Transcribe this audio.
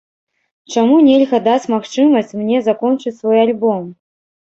Чаму нельга даць магчымасць мне закончыць свой альбом?